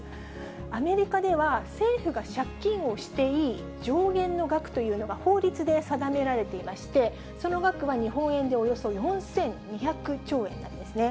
アメリカでは、政府が借金をしていい上限の額というのが、法律で定められていまして、その額は日本円でおよそ４２００兆円なんですね。